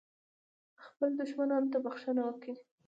خپلو دښمنانو ته بښنه وکړه .